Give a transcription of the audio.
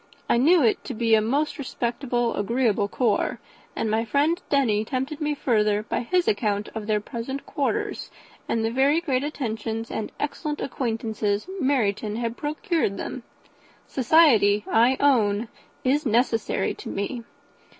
I know it to be a most respectable, agreeable corps; and my friend Denny tempted me further by his account of their present quarters, and the very great attentions and excellent acquaintance Meryton had procured them. Society, I own, is necessary to me.